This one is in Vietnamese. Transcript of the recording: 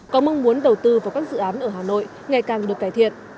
có mong muốn đầu tư vào các dự án ở hà nội ngày càng được cải thiện